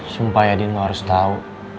sumpah ya din lo harus tau